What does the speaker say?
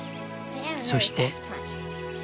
そして。